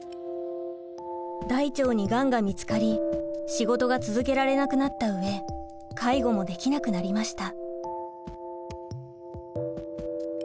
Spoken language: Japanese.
大腸にガンが見つかり仕事が続けられなくなった上介護もできなくなりました。